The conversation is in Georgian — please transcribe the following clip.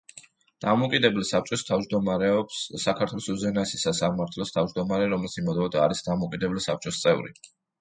დამოუკიდებელ საბჭოს თავმჯდომარეობს საქართველოს უზენაესი სასამართლოს თავმჯდომარე, რომელიც იმავდროულად არის დამოუკიდებელი საბჭოს წევრი.